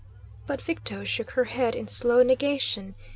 But Victo shook her head in slow negation.